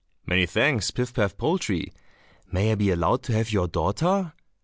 "Many thanks, Pif paf poltrie." "May I be allowed to have your daughter?"